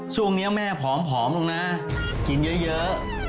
ช่วงนี้แม่ฝอมลูกหน้ากินเยอะ